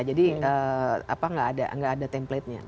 jadi nggak ada templatenya